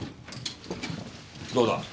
どうだ？